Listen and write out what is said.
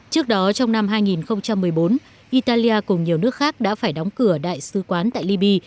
trước đó trong năm hai nghìn một mươi bốn italia cùng nhiều nước khác đã phải đóng cửa đại sứ quán tại libya